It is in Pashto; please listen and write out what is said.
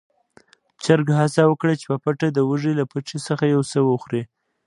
چرګ هڅه وکړه چې په پټه د وزې له پټي څخه يو څه وخوري.